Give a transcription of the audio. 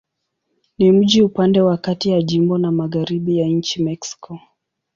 Ni mji upande wa kati ya jimbo na magharibi ya nchi Mexiko.